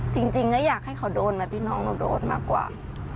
จริงก็อยากให้เขาโดนนะพี่น้องหนูโดนมากกว่า